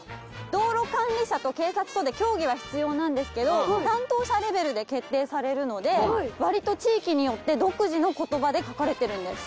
道路管理者と警察署で協議は必要なんですけど担当者レベルで決定されるのでわりと地域によって独自の言葉で書かれてるんです。